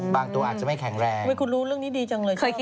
บางตัวอาจจะไม่แข็งแรง